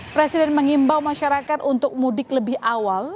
presiden mengimbau masyarakat untuk mudik lebih awal